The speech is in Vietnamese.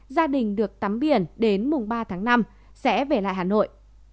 gia đình được tắm biển đến mùng ba tháng năm sẽ về lại hà nội